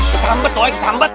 kesambet woy kesambet